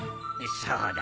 そうだね。